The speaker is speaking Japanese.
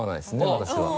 私は。